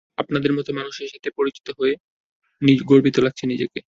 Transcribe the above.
আপনাদের মতো মানুষের সাথে পরিচয় হয়ে গর্বিত লাগছে নিজেকে!